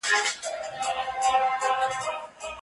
د ارغنداب سیند غاړې ته د غنمو، جوارو او شفتالو فصلونه کرل کېږي.